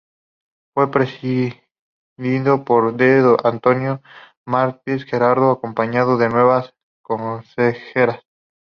Fue presidido por D. Antonio Martínez Garro, acompañado de nueve concejales.